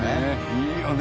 いいよね。